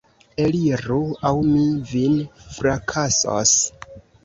Eliru, aŭ mi vin frakasos!